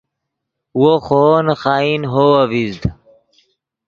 وو خوو نے خائن ہوو اڤزید